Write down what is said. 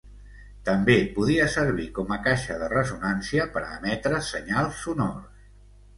També podia servir com a caixa de ressonància per a emetre senyals sonors.